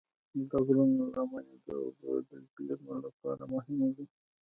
د غرونو لمنې د اوبو د زیرمو لپاره مهمې دي.